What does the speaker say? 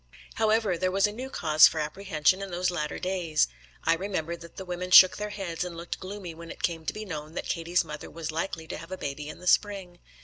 However, there was a new cause for apprehension in those latter days. I remember that the women shook their heads and looked gloomy when it came to be known that Katie's mother was likely to have a baby in the spring.